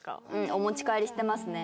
お持ち帰りしてますね。